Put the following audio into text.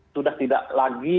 sudah tidak berpengaruh